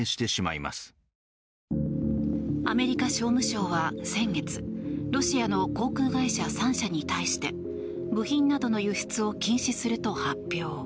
アメリカ商務省は先月ロシアの航空会社３社に対して部品などの輸出を禁止すると発表。